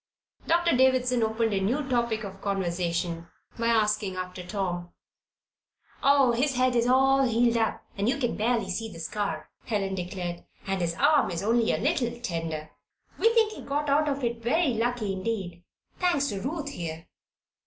Doctor Davison opened a new topic of conversation by asking after Tom. "Oh, his head is all healed up you can just barely see the scar," Helen declared. "And his arm is only a little tender. We think he got out of it very lucky indeed thanks to Ruth here."